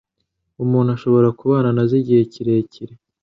umuntu ashobora kubana nazo igihe kirekire